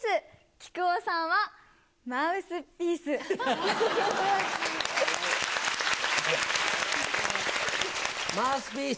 木久扇さんはマウスピース。